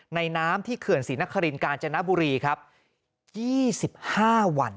ในน้ำที่เขื่อนศรีนครินทร์กาญจนบุรี๒๕วัน